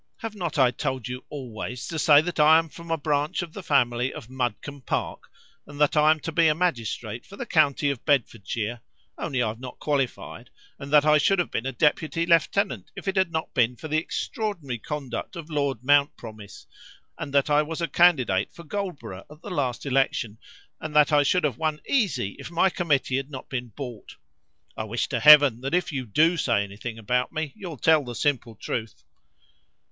Have not I told you always to say that I am from a branch of the family of Mudcombe Park, and that I am to be a magistrate for the county of Bedfordshire, only I've not qualified, and that I should have been a deputy lieutenant if it had not been for the extraordinary conduct of Lord Mountpromise, and that I was a candidate for Goldborough at the last election, and that I should have won easy if my committee had not been bought. I wish to Heaven that if you do say anything about me, you'd tell the simple truth.